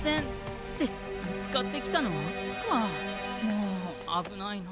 もうあぶないな。